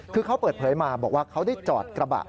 คือเขาเปิดเผยมาบอกว่าเขาได้จอดกระบะ